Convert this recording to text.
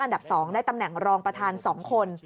๒ได้ตำแหน่งรองประธาน๒คน